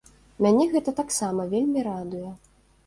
Мяне гэта таксама вельмі радуе.